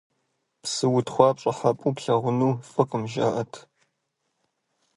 Псы утхъуа пщӀыхьэпӀэу плъагъуну фӀыкъым, жаӀэрт.